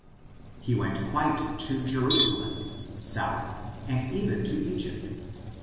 He went quite to Jerusalem, south, and even to Egypt.